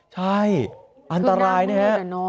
ใช่อันตรายนะครับ